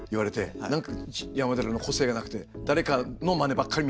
何か「山寺の個性がなくて誰かのマネばっかり」みたいな。